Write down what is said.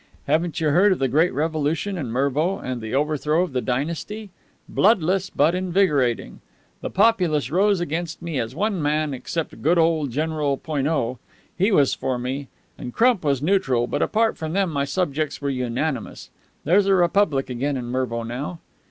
"Haven't you heard of the great revolution in Mervo and the overthrow of the dynasty? Bloodless, but invigorating. The populace rose against me as one man except good old General Poineau. He was for me, and Crump was neutral, but apart from them my subjects were unanimous. There's a republic again in Mervo now."